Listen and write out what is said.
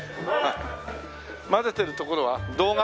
混ぜてるところは動画？